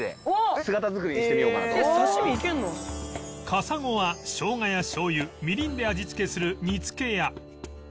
カサゴはショウガやしょうゆみりんで味付けする煮付けや